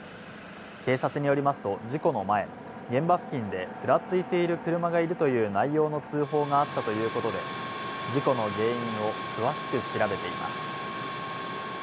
警察によりますと事故の前、現場付近でふらついている車がいるという内容の通報があったということで事故の原因を詳しく調べています。